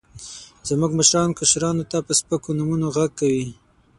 زموږ مشران، کشرانو ته په سپکو نومونو غږ کوي.